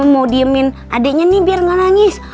mau diemin adiknya nih biar nggak nangis